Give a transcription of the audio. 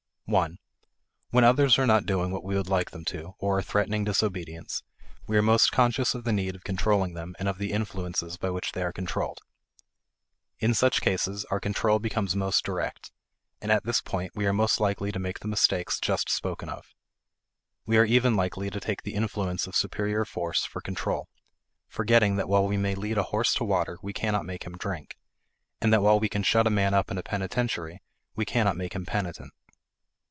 1. When others are not doing what we would like them to or are threatening disobedience, we are most conscious of the need of controlling them and of the influences by which they are controlled. In such cases, our control becomes most direct, and at this point we are most likely to make the mistakes just spoken of. We are even likely to take the influence of superior force for control, forgetting that while we may lead a horse to water we cannot make him drink; and that while we can shut a man up in a penitentiary we cannot make him penitent.